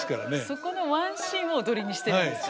そこのワンシーンを踊りにしてるんですか。